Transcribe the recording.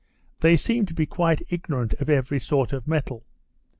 They seem to be quite ignorant of every sort of metal.